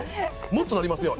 もっとなりますよ。